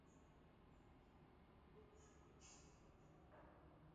onye chịrị Ụmụoji ahp iri na anọ